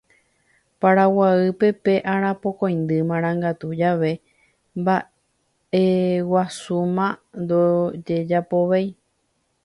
Paraguáype pe Arapokõindy Marangatu jave mba'eveguasúma ndojejapovéi